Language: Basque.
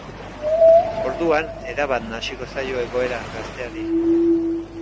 Orduan, erabat nahasiko zaio egoera gazteari.